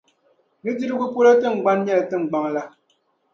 nudirigu polo tiŋgban'nɛli tiŋgbɔŋ la.